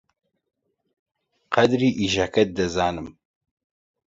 قەدری ئیشەکەت دەزانم.